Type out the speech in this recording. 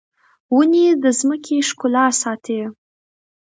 ونې د ځمکې ښکلا ساتي